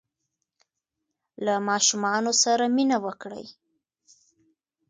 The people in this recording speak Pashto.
له ماشومانو سره مینه وکړئ.